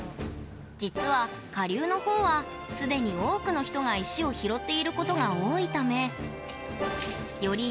実は下流の方はすでに多くの人が石を拾っていることが多いためより